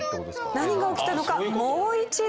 何が起きたのかもう一度。